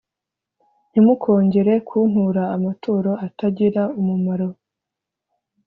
Ntimukongere kuntura amaturo atagira umumaro